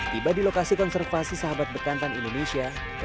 tiba di lokasi konservasi sahabat bekantan indonesia